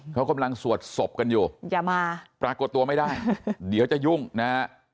เขากำลังสวดศพกันอยู่อย่ามาปรากฏตัวไม่ได้เดี๋ยวจะยุ่งนะฮะ